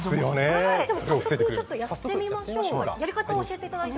早速やってみましょうか。